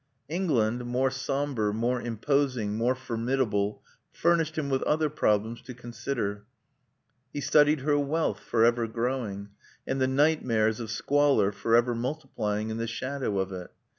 England, more sombre, more imposing, more formidable furnished him with other problems to consider. He studied her wealth, forever growing, and the nightmares of squalor forever multiplying in the shadow of it.